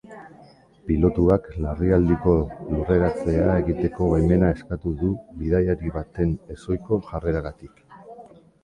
Pilotuak larrialdiko lurreratzea egiteko baimena eskatu du bidaiari baten ezohiko jarreragatik.